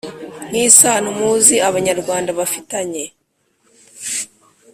Nk isano muzi abanyarwanda bafitanye